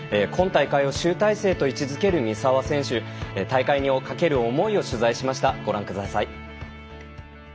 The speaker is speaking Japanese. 今大会を集大成と位置づける三澤選手大会にかける思いを取材しました。